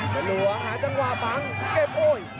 หลวงหาจังหวะบังเก็บโอ้ย